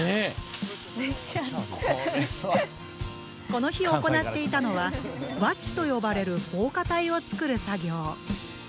この日行っていたのは輪地と呼ばれる防火帯を作る作業。